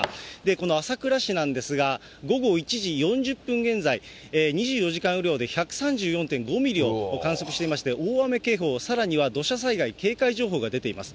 この朝倉市なんですが、午後１時４０分現在、２４時間雨量で１３４．５ミリを観測していまして、大雨警報、さらには土砂災害警戒情報が出ています。